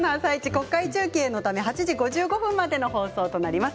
国会中継のため８時５５分までの放送となります。